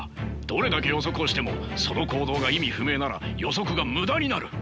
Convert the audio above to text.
どれだけ予測をしてもその行動が意味不明なら予測が無駄になる。